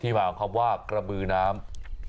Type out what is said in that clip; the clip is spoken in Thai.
มาของคำว่ากระบือน้ำ